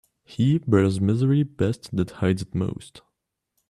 He bears misery best that hides it most.